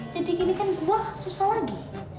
jadi gini kan gua susah lagi